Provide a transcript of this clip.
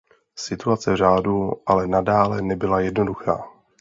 Situace v řádu ale nadále nebyla jednoduchá.